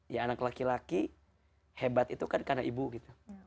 ya anak laki laki hebat itu kan karena ibu gitu